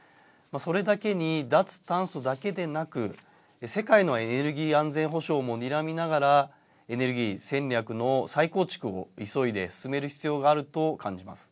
それだけに、脱炭素だけでなく世界のエネルギー安全保障もにらみながらエネルギー戦略の再構築を急いで進める必要があると感じます。